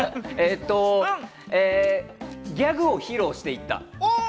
ギャグを披露していった。